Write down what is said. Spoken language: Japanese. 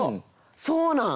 そうなん？